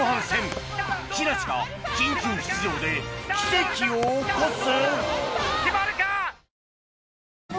木梨が緊急出場で奇跡を起こす！？